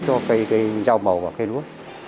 cho cây rau màu và cây lúa